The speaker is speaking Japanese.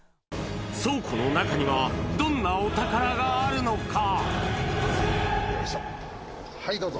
倉庫の中には、どんなお宝がはい、どうぞ。